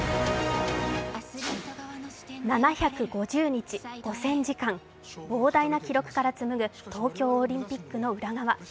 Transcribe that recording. ７５０日、５０００時間、膨大な記録からつむぐ東京オリンピックの裏側。